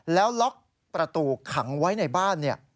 แล้วล็อกประตูขังไว้ในบ้าน